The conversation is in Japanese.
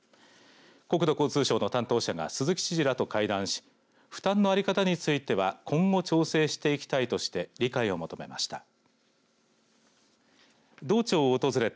国土交通省の担当者が鈴木知事らと会談し負担の在り方については今後、調整していきたいとして理解を求めました。